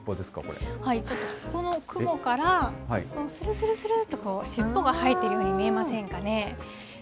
ちょっとこの雲から、するするするっとこう、尻尾が生えているように見えませんかね。